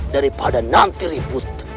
daripada nanti ribut